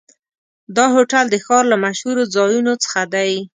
دا هوټل د ښار له مشهورو ځایونو څخه دی.